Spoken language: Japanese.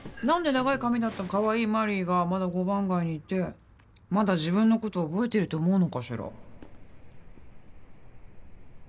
何で長い髪だったカワイイマリーがまだ五番街にいてまだ自分のことを覚えていると思うのかしら